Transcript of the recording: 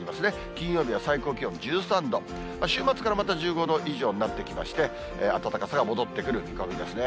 金曜日は最高気温１３度、週末からまた１５度以上になってきまして、暖かさが戻ってくる見込みですね。